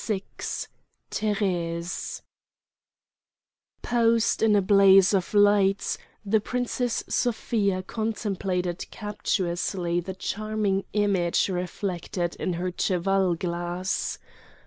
VI THÉRÈSE Posed in a blaze of lights, the Princess Sofia contemplated captiously the charming image reflected in her cheval glass.